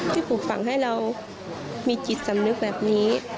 ปลูกฝังให้เรามีจิตสำนึกแบบนี้